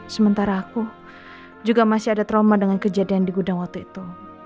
sementara aku juga masih ada trauma dengan kejadian di gudang waktu itu